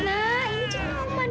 kami percaya sama kakak